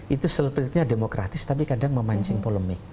itu sepertinya demokratis tapi kadang memancing polemik